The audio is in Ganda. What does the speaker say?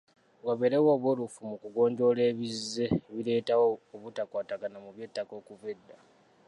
Wabeerewo obwerufu mu kugonjoola ebizze bireetawo obutakwatagana mu by’ettaka okuva edda.